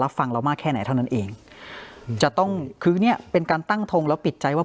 ฟังเรามากแค่ไหนเท่านั้นเองจะต้องคือเนี้ยเป็นการตั้งทงแล้วปิดใจว่า